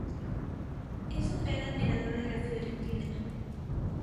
Es un gran admirador de la Fiorentina.